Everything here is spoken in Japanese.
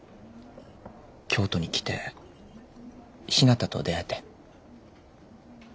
京都に来てひなたと出会えて。